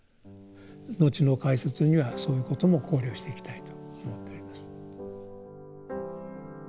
後の解説にはそういうことも考慮していきたいと思っております。